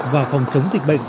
và phòng chống dịch bệnh